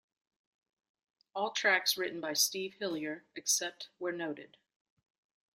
All tracks written by Steve Hillier except where noted.